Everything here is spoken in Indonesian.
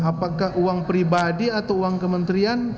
apakah uang pribadi atau uang kementerian